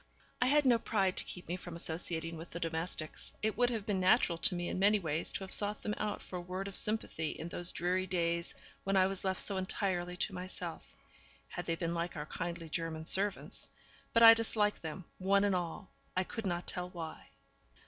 I had no pride to keep me from associating with the domestics; it would have been natural to me in many ways to have sought them out for a word of sympathy in those dreary days when I was left so entirely to myself, had they been like our kindly German servants. But I disliked them, one and all; I could not tell why.